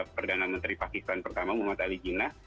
perdana menteri pakistan pertama muhammad ali gina